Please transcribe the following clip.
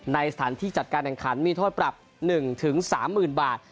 ในสถานที่จัดการแข่งขันมีโทษปรับ๑๓๐๐๐บาท